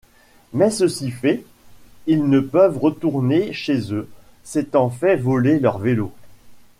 Mais ceci fait, ils ne peuvent retourner chez eux, s'étant fait voler leurs vélos.